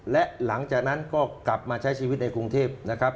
และหลังจากนั้นก็กลับมาใช้ชีวิตในกรุงเทพนะครับ